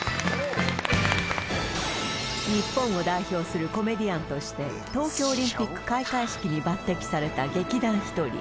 日本を代表するコメディアンとして東京オリンピック開会式に抜てきされた劇団ひとり